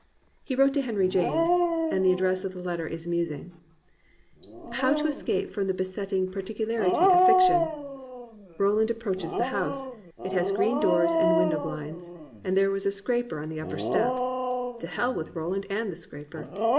He wrote to Henry James, (and the address of the letter is amusing,) "How to escape from the besotting par ticidarity of fiction ?* Roland approached the house; it had green doors and window blinds; and there was a scraper on the upper step.' To hell with Ro land and the scraper